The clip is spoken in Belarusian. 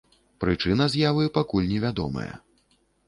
Прычына з'явы пакуль не вядомая.